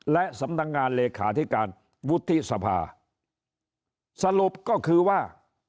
และสำนักงานเลขาธิการวุฒิสภาสรุปก็คือว่า